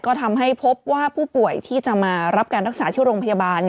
ก็ทำให้พบว่าผู้ป่วยที่จะมารับการรักษาที่โรงพยาบาล